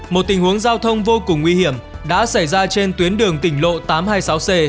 một tình huống giao thông vô cùng nguy hiểm đã xảy ra trên tuyến đường tỉnh lộ tám trăm hai mươi sáu c